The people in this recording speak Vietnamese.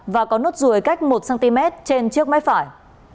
và có nốt ruồi cách một cm trên trước mép phải